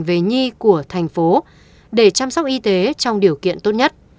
về nhi của thành phố để chăm sóc y tế trong điều kiện tốt nhất